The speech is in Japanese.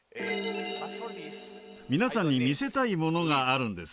皆さんに見せたいものがあるんです。